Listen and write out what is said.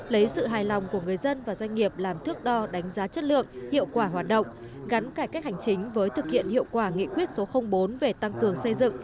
lấy sự hài lòng của người dân và doanh nghiệp làm thước đo đánh giá chất lượng hiệu quả hoạt động gắn cải cách hành chính với thực hiện hiệu quả nghị quyết số bốn về tăng cường xây dựng